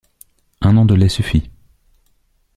Un an de lait suffit.